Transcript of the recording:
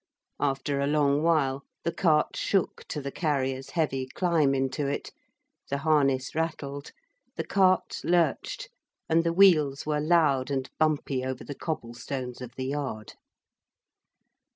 After a long while the cart shook to the carrier's heavy climb into it, the harness rattled, the cart lurched, and the wheels were loud and bumpy over the cobble stones of the yard.